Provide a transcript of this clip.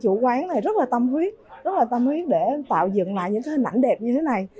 chủ quán này rất là tâm huyết rất là tâm huyết để tạo dựng lại những hình ảnh đẹp như thế này